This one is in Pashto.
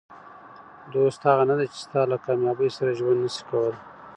دوست هغه نه دئ، چي ستا له کامیابۍ سره ژوند نسي کولای.